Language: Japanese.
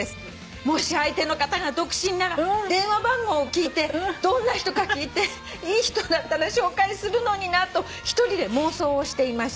「もし相手の方が独身なら電話番号を聞いてどんな人か聞いていい人だったら紹介するのになと一人で妄想をしていました」